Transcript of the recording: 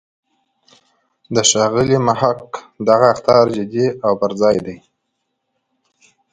د ښاغلي محق دغه اخطار جدی او پر ځای دی.